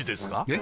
え？